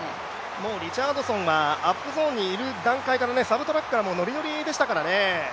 もうリチャードソンはアップゾーンにいる段階からノリノリでしたからね。